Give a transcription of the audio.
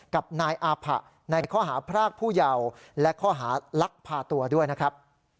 กับนายอาผะในข้อหาพรากผู้เยาว์และข้อหาลักพาตัวด้วยนะครับ